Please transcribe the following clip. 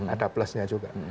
ada plusnya juga